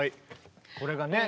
これがね